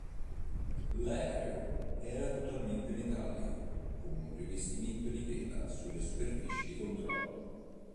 L'aereo era totalmente metallico, con un rivestimento di tela sulle superfici di controllo.